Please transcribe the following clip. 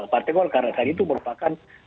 partai golkar saat itu merupakan